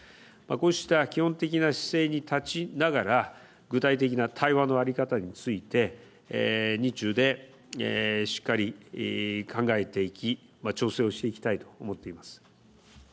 こうした基本的な姿勢に立ちながら具体的な対話のあり方について日中でしっかり考えていき、調整をしていきたいと思っています。